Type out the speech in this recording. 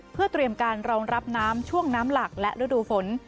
เพื่อเตรียมการรองรับน้ำช่วงน้ำหลักและฤดูฝน